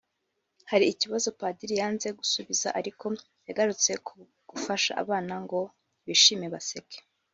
Hari ikibazo padiri yanze gusubiza ariko yagarutse ku gufasha abana ngo bishime baseke